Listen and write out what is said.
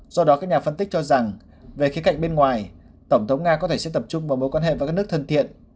do đó các nhà phân tích cho rằng về khía cạnh bên ngoài tổng thống nga có thể sẽ tập trung vào mối quan hệ với các nước thần thiện